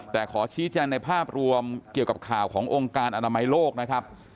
แต่ขอชี้แจงในภาพรวมเกี่ยวกับข่าวขององค์การอนามัยโลกนะครับ